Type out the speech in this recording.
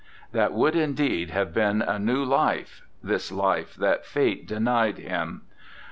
That would indeed have been a new life, this life that fate denied him.